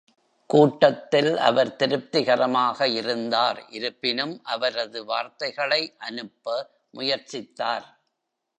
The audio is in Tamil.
கூட்டத்தில் அவர் திருப்திகரமாக இருந்தார், இருப்பினும் அவரது வார்த்தைகளை அனுப்ப முயற்சித்தார்.